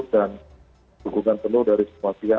dan dukungan penuh dari semua pihak